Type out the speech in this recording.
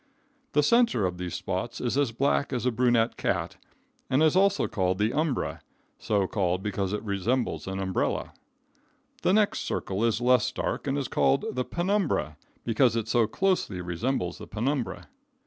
The center of these spots is as black as a brunette cat, and is called the umbra, so called because it resembles an umbrella. The next circle is less dark, and called the penumbra, because it so closely resembles the penumbra.